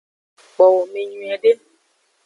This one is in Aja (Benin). Kpowo me nyuiede.